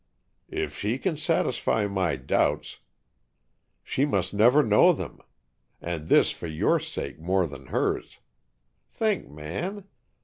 "If she can satisfy my doubts " "She must never know them! And this for your sake more than hers. Think, man.